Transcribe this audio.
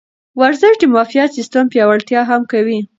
ورزش د معافیت سیستم پیاوړتیا هم کوي.